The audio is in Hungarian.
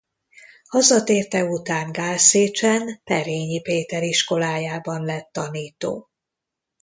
Hazatérte után Gálszécsen Perényi Péter iskolájában lett tanító.